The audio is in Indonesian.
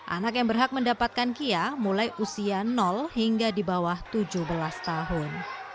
anak yang berhak mendapatkan kia mulai usia hingga di bawah tujuh belas tahun